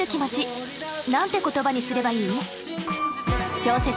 なんて言葉にすればいい？